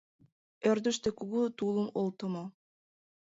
Ӧрдыжтӧ кугу тулым олтымо.